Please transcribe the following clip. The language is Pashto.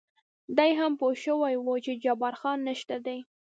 دی هم پوه شوی و چې جبار خان نشه دی.